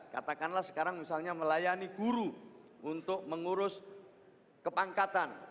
katakanlah sekarang misalnya melayani guru untuk mengurus kepangkatan